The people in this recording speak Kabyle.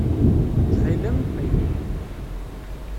Ttxil-m qqim.